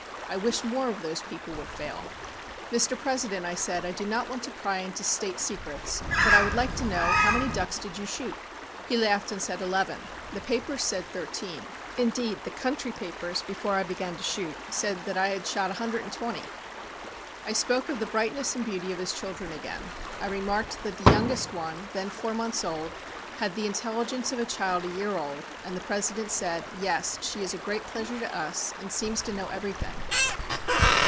I wish more of those people would fail.' "'Mr. President,' I said, 'I do not want to pry into State secrets, but I would like to know how many ducks you did shoot?' He laughed, and said, 'Eleven. The papers said thirteen. Indeed, the country papers before I began to shoot said I had shot a hundred and twenty.' I spoke of the brightness and beauty of his children again. I remarked that the youngest one, then four months old, had the intelligence of a child a year old, and the President said: "'Yes, she is a great pleasure to us, and seems to know everything.'